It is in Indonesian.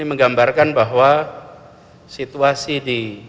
menggambarkan bahwa situasi di